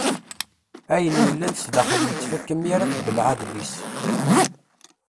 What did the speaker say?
Ayen yellan sdaxel yettfaka mi ara tbelleɛ adlis.